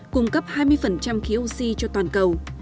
cung cấp hai mươi khí oxy cho toàn cầu